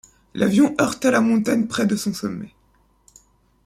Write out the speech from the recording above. L'avion heurta la montagne près de son sommet.